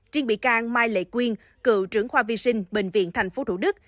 triên bị can mai lệ quyên cựu trưởng khoa vi sinh bệnh viện tp thủ đức